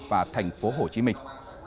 và thành phố hồ chí minh